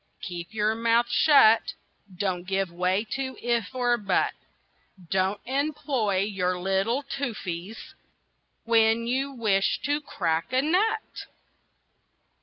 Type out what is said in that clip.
"Keep your mouth shut, Don't give way to 'if' or 'but;' Don't employ your little toofsies When you wish to crack a nut!"